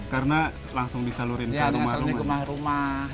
karena langsung disalurin ke rumah rumah